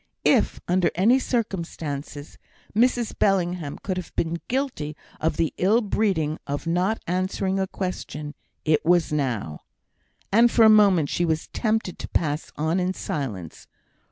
If, under any circumstances, Mrs Bellingham could have been guilty of the ill breeding of not answering a question, it was now; and for a moment she was tempted to pass on in silence.